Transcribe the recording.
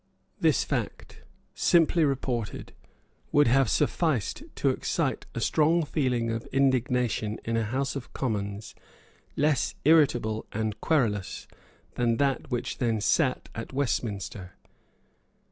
This fact, simply reported, would have sufficed to excite a strong feeling of indignation in a House of Commons less irritable and querulous than that which then sate at Westminster.